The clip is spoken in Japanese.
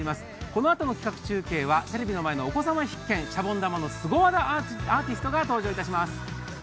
このあとの企画中継はテレビの前のお子様必見シャボン玉のスゴ技アーティストが登場します。